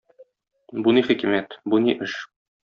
Бу ни хикмәт, бу ни эш?